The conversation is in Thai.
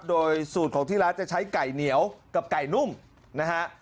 โดยสูตรของที่ร้านจะใช้ไก่เหนียวกับไก่นุ่มนะฮะ